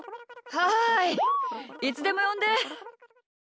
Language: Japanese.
はいいつでもよんで。